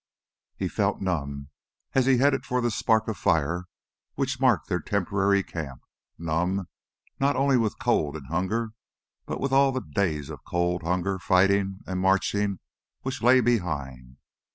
He felt numb as he headed for the spark of fire which marked their temporary camp, numb not only with cold and hunger, but with all the days of cold, hunger, fighting, and marching which lay behind.